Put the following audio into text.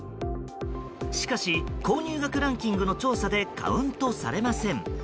しかし購入額ランキングの調査でカウントされません。